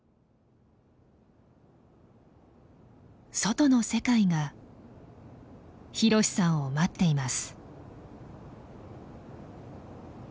外の世界がひろしさんを待っています。